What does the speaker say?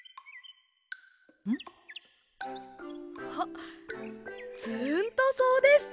あっつーんとそうです！